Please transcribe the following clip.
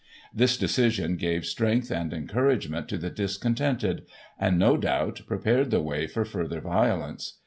This decision gave strength and encouragement to the discontented, and, no doubt, prepared the way for further violence.